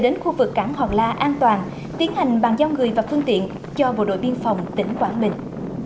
đến khu vực cảng hòn la an toàn tiến hành bàn giao người và phương tiện cho bộ đội biên phòng tỉnh quảng bình